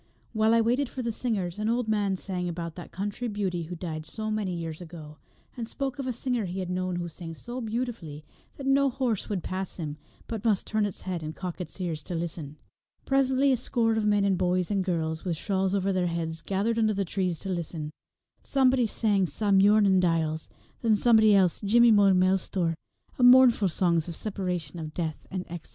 While I waited for the singers an old man sang about that country beauty who died so many years ago, and spoke of a singer he had known who sang so beautifully that no horse would pass him, but must turn its head and cock its ears to listen. Presently a score of men and boys and girls, with shawls over their heads, gathered under the trees to listen. Somebody sang Sa Muirnin Diles, and then somebody else Jimmy Mo Milestor, mournful songs of separation, of death, and of exile.